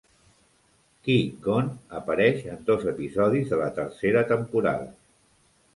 Qui-Gon apareix en dos episodis de la tercera temporada.